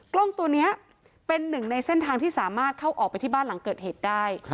กล้องตัวนี้เป็นหนึ่งในเส้นทางที่สามารถเข้าออกไปที่บ้านหลังเกิดเหตุได้